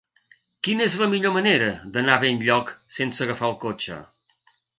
Quina és la millor manera d'anar a Benlloc sense agafar el cotxe?